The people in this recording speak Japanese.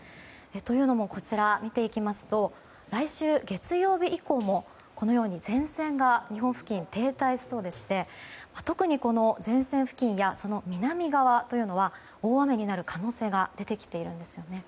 というのも、見ていきますと来週月曜日以降もこのように前線が日本付近に停滞しそうでして特に前線付近やその南側というのは大雨になる可能性が出てきているんですよね。